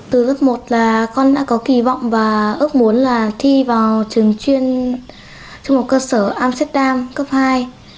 từ lớp một là con đã có kỳ vọng và ước muốn là thi vào trường chuyên trung học cơ sở amsterdam cấp hai